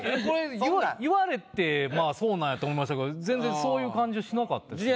これ言われてまあそうなんやと思いましたけど全然そういう感じはしなかった。